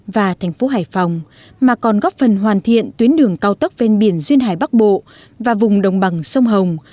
và thành phố hải phòng mà còn góp phần hoàn thiện tuyến đường cao tốc ven biển duyên hải bắc bộ và vùng đồng bằng sông hồng